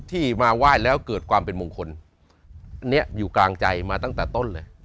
ที่มาไหว้แล้วเกิดความเป็นมงคลอันนี้อยู่กลางใจมาตั้งแต่ต้นเลย